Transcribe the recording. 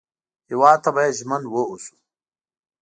هېواد ته باید ژمن و اوسو